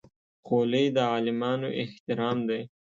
خولۍ د عالمانو احترام دی.